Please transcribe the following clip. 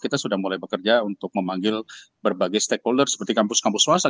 kita sudah mulai bekerja untuk memanggil berbagai stakeholder seperti kampus kampus swasta